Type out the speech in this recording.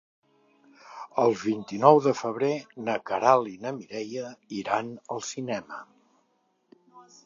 El vint-i-nou de febrer na Queralt i na Mireia iran al cinema.